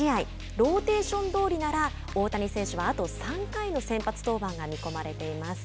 ローテーションどおりなら大谷選手はあと３回の先発登板が見込まれています。